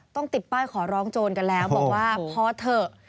ต้องติดป้ายขอร้องโจรกันแล้วบอกว่าพอเถอะ